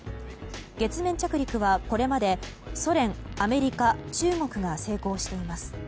月面着陸はこれまでソ連、アメリカ、中国が成功しています。